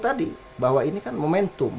tadi bahwa ini kan momentum